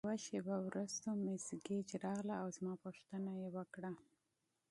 یوه شیبه وروسته مس ګیج راغله او زما پوښتنه یې وکړه.